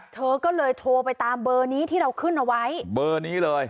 เธอก็เลยโทรไปตามเบอร์นี้ที่เราขึ้นเอาไว้เบอร์นี้เลย